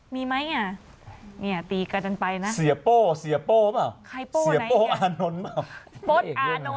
มีไหมเนี่ยเนี่ยตีกันไปนะเสียโป้เสียโป้ป่ะใครโป้ไหนเสียโป้อานนท์ป่ะ